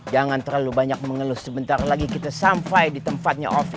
jangan terlalu banyak mengeluh sebentar lagi kita sampai di tempatnya office